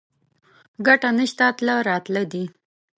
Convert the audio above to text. ګټه نشته تله راتله دي